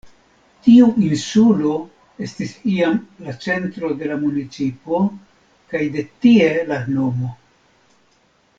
Tiu insulo estis iam la centro de la municipo, kaj de tie la nomo.